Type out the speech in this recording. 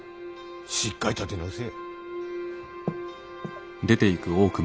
しっかり立て直せ。